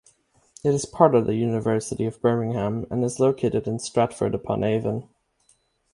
It is part of the University of Birmingham, and is located in Stratford-upon-Avon.